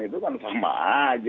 itu kan sama aja